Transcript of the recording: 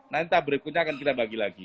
nanti tahap berikutnya akan kita bagi lagi